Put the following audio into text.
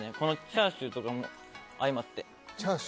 チャーシューとかも相まって。